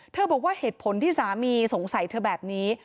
บอกว่าเหตุผลที่สามีสงสัยเธอแบบนี้